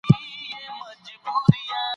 د ميني په مزل کي چي تور تم راځي په مخه